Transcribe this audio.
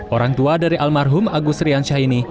orang tua dari almarhum agus riansyah ini